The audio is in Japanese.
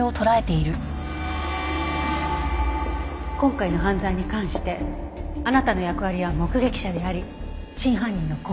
今回の犯罪に関してあなたの役割は目撃者であり真犯人の告発者だった。